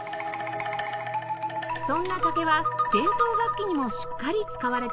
そんな竹は伝統楽器にもしっかり使われています